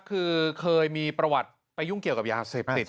คือเคยมีประวัติไปยุ่งเกี่ยวกับยาเสพติด